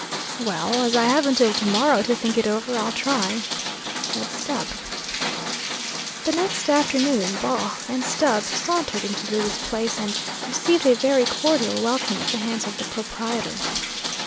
"Well, as I have until to morrow to think it over, I'll try," said Stubb. The next afternoon Baugh and Stubb sauntered into Louie's place, and received a very cordial welcome at the hands of the proprietor.